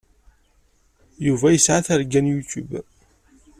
Yuba yesɛa targa n YouTube.